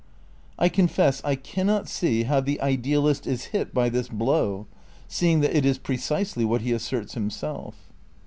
I confess I cannot see how the idealist is hit by this blow, seeing that it is precisely what he asserts himself.